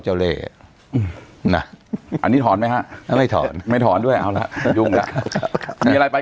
ไปให้ค่ะอยู่ใกล้เลย